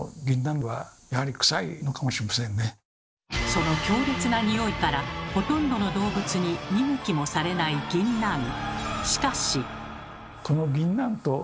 その強烈なニオイからほとんどの動物に見向きもされないぎんなん。